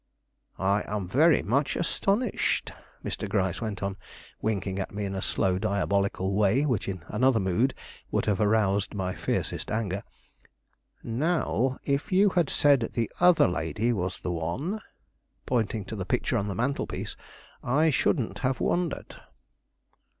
"I am very much astonished," Mr. Gryce went on, winking at me in a slow, diabolical way which in another mood would have aroused my fiercest anger. "Now, if you had said the other lady was the one" pointing to the picture on the mantel piece," I shouldn't have wondered."